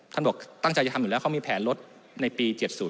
บอกตั้งใจจะทำอยู่แล้วเขามีแผนลดในปี๗๐